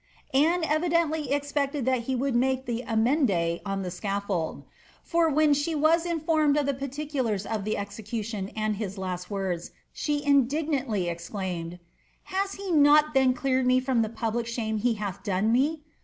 Anne evidently expected that he would make the amende on the scafTifld ; for when she was informed of the particu lars of the execution and his last words, she indignantly exclaimed, ^^ lias he not then cleartnl me from the public shame he hath done me?